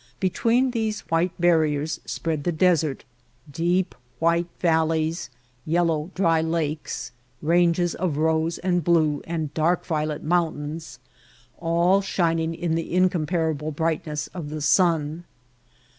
Between these white barriers spread the desert, deep white valleys, yellow dry lakes, ranges of rose and blue and dark violet mountains, all shining in the incom parable brightness of the sun.